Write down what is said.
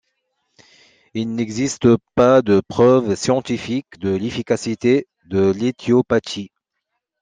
Il n'existe pas de preuve scientifique de l'efficacité de l'éthiopathie.